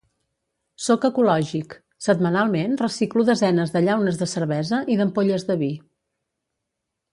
Soc ecològic, setmanalment reciclo desenes de llaunes de cervesa i d’ampolles de vi.